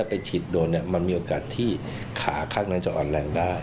เนี้ยมันมีโอกาสที่ขาข้างนั้นจะอ่อนแรงได้